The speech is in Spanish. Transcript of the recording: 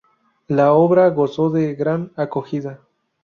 La obra gozó de gran acogida.